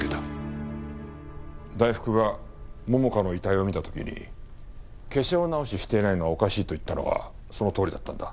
大福が桃花の遺体を見た時に化粧直ししていないのはおかしいと言ったのはそのとおりだったんだ。